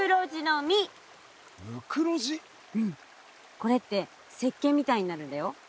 これって石けんみたいになるんだよ。